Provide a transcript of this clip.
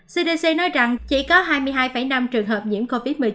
cdc nói rằng chỉ có hai mươi hai năm trường hợp nhiễm covid một mươi chín